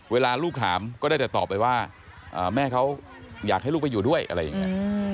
เวลาลูกถามก็ได้แต่ตอบไปว่าแม่เขาอยากให้ลูกไปอยู่ด้วยอะไรอย่างนี้